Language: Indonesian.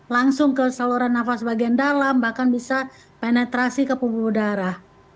langsung ke saluran nafas bagian dalam bahkan bisa penetrasi ke pembuluh darah